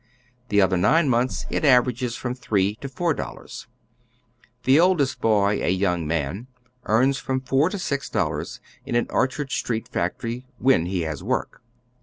The other nine months it averages from three to four dollars. The oldest boy, a young man, earns from four to six dollars in an Orchard Street factory, when lie has work.